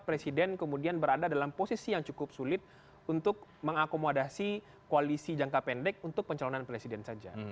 presiden kemudian berada dalam posisi yang cukup sulit untuk mengakomodasi koalisi jangka pendek untuk pencalonan presiden saja